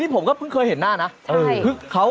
ผมก็เพิ่งเคยเห็นหน้านะ